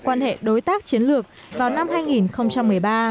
quan hệ đối tác chiến lược vào năm hai nghìn một mươi ba